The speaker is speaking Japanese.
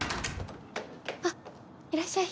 あっいらっしゃい。